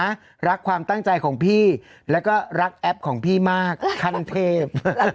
แอปบแล้วพี่คะรักความตั้งใจของพี่และก็รักแอปของพี่มากครั้งเทพ